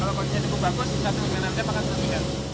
kalau kondisinya cukup bagus si satu hingga enam jam akan selesai